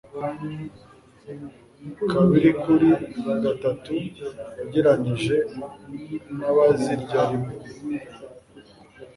kabirikuri gatatu ugereranije n'abazirya rimwe